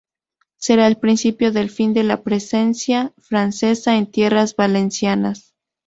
Será el principio del fin de la presencia francesa en tierras valencianas.